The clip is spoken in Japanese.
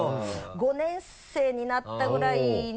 ５年生になったぐらいに。